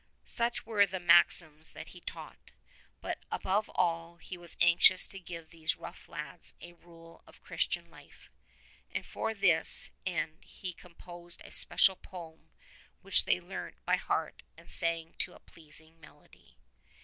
Such were the maxims that he taught. But above all he was anxious to give these rough lads a rule of Christian life, and for this end he composed a special poem which they learnt by heart and sang to a pleasing melody.